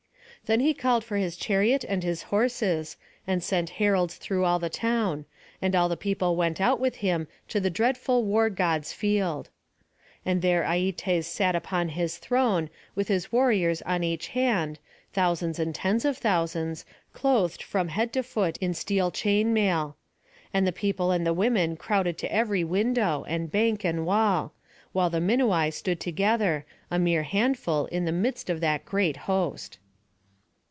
Then he called for his chariot and his horses, and sent heralds through all the town; and all the people went out with him to the dreadful War god's field. And there Aietes sat upon his throne, with his warriors on each hand, thousands and tens of thousands, clothed from head to foot in steel chain mail. And the people and the women crowded to every window, and bank and wall; while the Minuai stood together, a mere handful in the midst of that great host.